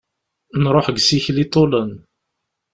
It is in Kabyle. Nruḥ deg usikel iḍulen.